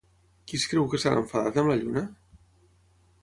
Qui es creu que s'han enfadat amb la Lluna?